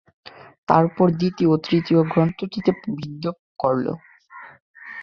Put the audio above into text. তারপর দ্বিতীয় ও তৃতীয় গ্রন্থিটিতে বিদ্ধ করল।